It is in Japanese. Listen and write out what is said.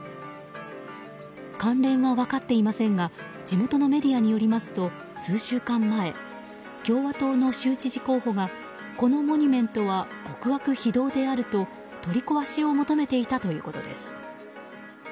関連は分かっていませんが地元のメディアによりますと数週間前共和党の州知事候補がこのモニュメントは極悪非道であると、取り壊しを求めていたということです。